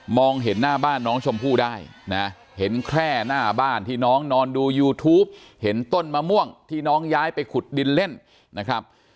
เห็นหน้าบ้านน้องชมพู่ได้นะเห็นแค่หน้าบ้านที่น้องนอนดูยูทูปเห็นต้นมะม่วงที่น้องย้ายไปขุดดินเล่นนะครับ